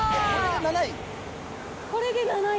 これで７位？